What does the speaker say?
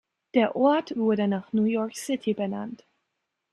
Der Ort wurde nach New York City benannt.